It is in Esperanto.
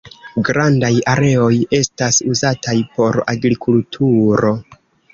Grandaj areoj estas uzataj por agrikulturo.